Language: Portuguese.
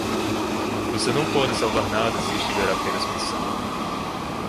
Você não pode salvar nada se estiver apenas pensando.